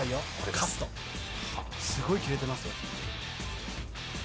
すごい切れてますよ。